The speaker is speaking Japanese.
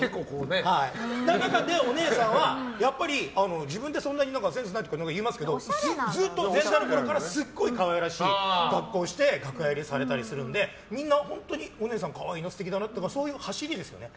その中で、お姉さんは自分でセンスないとか言いますけどずっと前座のころからすごく可愛らしい格好をして楽屋入りされたりするのでみんな、本当にお姉さん可愛いな、素敵だなっていうそういうはしりですよね。